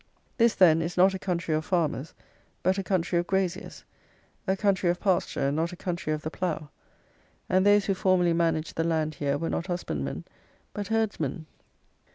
This, then, is not a country of farmers, but a country of graziers; a country of pasture, and not a country of the plough; and those who formerly managed the land here were not husbandmen, but herdsmen.